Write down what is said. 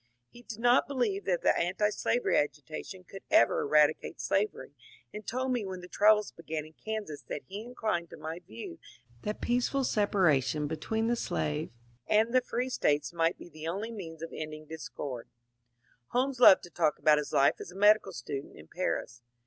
He did not believe that the antislavery agitation could ever eradicate slavery, and told me when the troubles began in Kansas that he inclined to my view that peaceful separation between the slave and the free States might be the only means of ending discord. Holmes loved to talk about his life as a medical student in Paris.